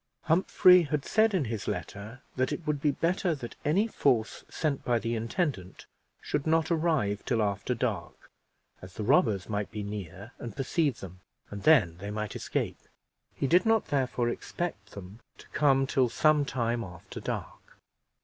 Humphrey had said in his letter, that it would be better that any force sent by the intendant should not arrive till after dark, as the robbers might be near and perceive them, and then they might escape; he did not therefore expect them to come till some time after dark.